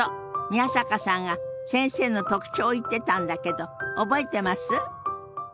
宮坂さんが先生の特徴を言ってたんだけど覚えてます？